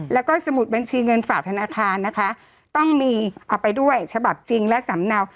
แล้วก็สมุดบัญชีเงินฝากธนาคารนะคะต้องมีเอาไปด้วยฉบับจริงและสำเนา